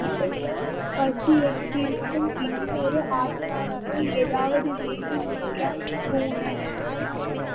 எனக்கல்ல, பசியோடிருக்கும் இன்னோர் ஆத்மாவுக்கு ஏதாவது வேண்டும் என்றான் கூனன்.